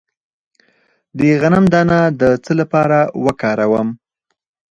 د غنم دانه د څه لپاره وکاروم؟